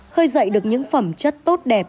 khơi dậy được những phẩm chất tốt đẹp